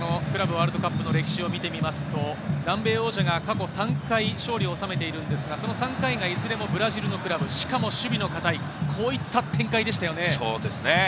クラブワールドカップの歴史を見てみますと、南米王者が過去３回、勝利を収めているんですが、その３回がいずれもブラジルのクラブ、しかも守備の堅い、こういった展開でしたよね。